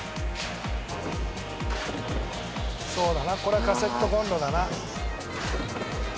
そうだなこれはカセットこんろだな。